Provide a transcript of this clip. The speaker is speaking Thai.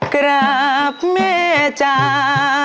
กราบแม่จ้า